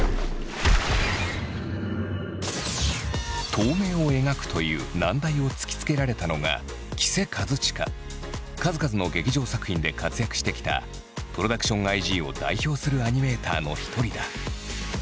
透明を描くという難題を突きつけられたのが数々の劇場作品で活躍してきたＰｒｏｄｕｃｔｉｏｎＩ．Ｇを代表するアニメーターの一人だ。